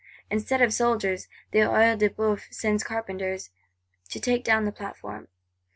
Instead of soldiers, the Œil de Bœuf sends—carpenters, to take down the platform.